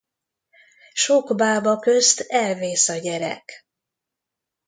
Sok bába közt elvész a gyerek.